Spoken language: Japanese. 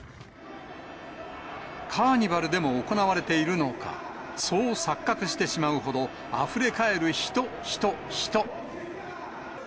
カーニバルでも行われているのか、そう錯覚してしまうほど、あふれ返る人、人、人。